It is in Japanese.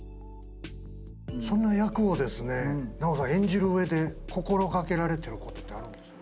その役をですね奈緒さん演じる上で心掛けられてることってあるんですか？